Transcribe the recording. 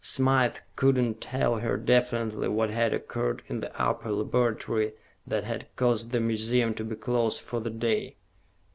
Smythe could not tell her definitely what had occurred in the upper laboratory that had caused the museum to be closed for the day.